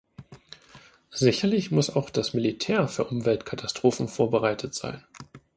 Sicherlich muss auch das Militär für Umweltkatastrophen vorbereitet sein.